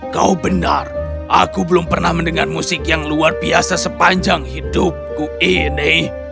kau benar aku belum pernah mendengar musik yang luar biasa sepanjang hidupku ini